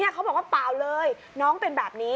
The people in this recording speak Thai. เขาบอกว่าเปล่าเลยน้องเป็นแบบนี้